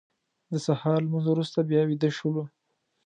د سهار لمونځ وروسته بیا ویده شولو.